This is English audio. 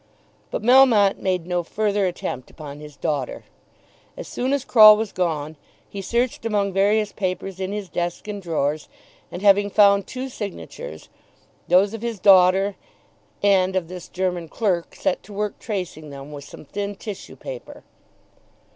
But Melmotte made no further attempt upon his daughter. As soon as Croll was gone he searched among various papers in his desk and drawers, and having found two signatures, those of his daughter and of this German clerk, set to work tracing them with some thin tissue paper.